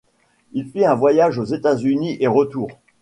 Il fit un voyage aux États-Unis et retour.